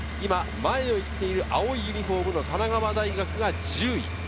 今、前を行っている青いユニホームの神奈川大学が１０位。